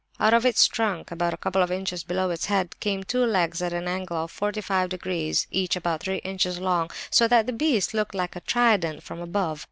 Out of its trunk, about a couple of inches below its head, came two legs at an angle of forty five degrees, each about three inches long, so that the beast looked like a trident from above.